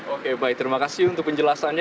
oke baik terima kasih untuk penjelasannya